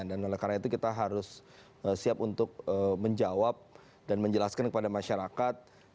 oleh karena itu kita harus siap untuk menjawab dan menjelaskan kepada masyarakat